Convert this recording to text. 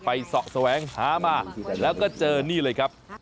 เสาะแสวงหามาแล้วก็เจอนี่เลยครับ